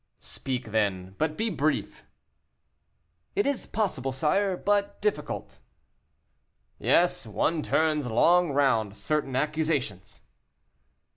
"Speak then, but be brief." "It is possible, sire, but difficult." "Yes; one turns long round certain accusations."